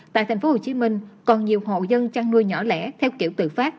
tại tp hcm còn nhiều hộ dân chăn nuôi nhỏ lẻ theo kiểu tự phát